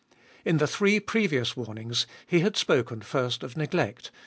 In the three previous warnings he had spoken first of neglect (ii.